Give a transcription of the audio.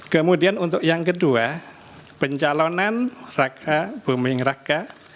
kemudian untuk yang kedua pencalonan raka buming raka